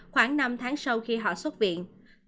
khoảng năm tháng sau khi họ xuất viện